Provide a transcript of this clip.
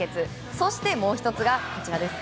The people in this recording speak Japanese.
そしてもう１つが、こちらです。